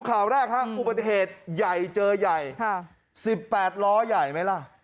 ข่าวแรกฮะอุบัติเหตุใหญ่เจอใหญ่๑๘ล้อใหญ่ไหมล่ะ